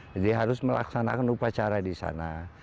jadi harus melaksanakan upacara di sana